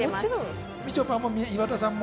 みちょぱも岩田さんも。